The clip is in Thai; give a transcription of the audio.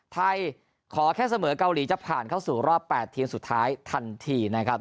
ไทยขอแค่เสมอเกาหลีจะผ่านเข้าสู่รอบ๘ทีมสุดท้ายทันทีนะครับ